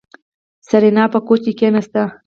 سېرېنا په کوچ کېناسته.